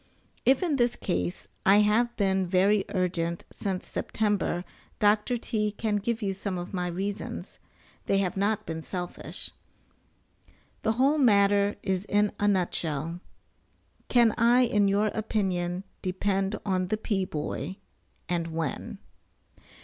If in this case I have been very urgent since September Dr. T. can give you some of my reasons, they have not been selfish. The whole matter is in a nutshell. Can I, in your opinion, depend on the "P. Boy," and when?